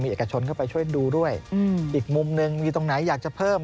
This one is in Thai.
เอกชนเข้าไปช่วยดูด้วยอีกมุมหนึ่งมีตรงไหนอยากจะเพิ่ม